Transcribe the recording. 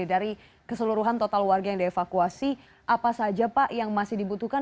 dari keseluruhan total warga yang dievakuasi apa saja pak yang masih dibutuhkan